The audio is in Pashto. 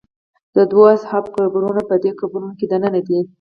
د دوو اصحابو قبرونه په دې قبرونو کې دننه دي.